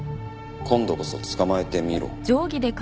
「今度こそ捕まえてみろ」